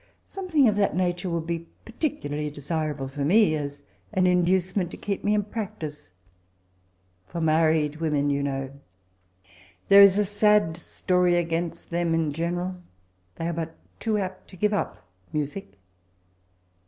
Something of that nature would be particularly desir able for fne, as an inducement to keep me in practice ; for married women, you kaow— there is a sad story against them, in general They are but too apt to give up music.'